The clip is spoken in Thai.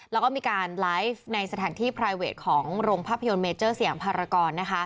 แล้วก็มีการไลฟ์ในสถานที่พรายเวทของโรงภาพยนตร์เมเจอร์สยามภารกร